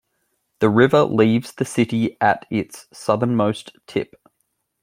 The river leaves the city at its southernmost tip.